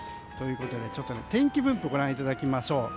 ちょっと天気分布をご覧いただきましょう。